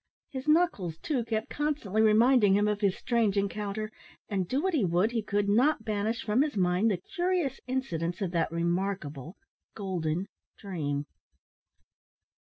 His knuckles, too, kept constantly reminding him of his strange encounter, and, do what he would, he could not banish from his mind the curious incidents of that remarkable golden dream.